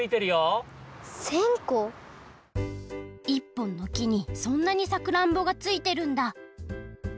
１ぽんのきにそんなにさくらんぼがついてるんだ